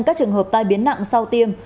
các trường hợp tai biến nặng sau tiêm